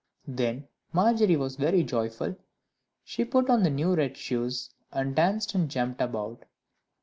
Then Margery was very joyful; she put on the new red shoes, and danced and jumped about.